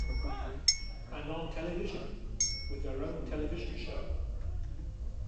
And on television, with their own television show.